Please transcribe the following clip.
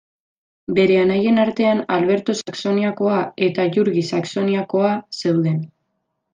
Bere anaien artean Alberto Saxoniakoa eta Jurgi Saxoniakoa zeuden.